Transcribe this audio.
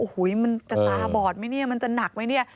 โอ้โหมันจะตาบอดไหมเนี่ยมันจะหนักไหมเนี่ย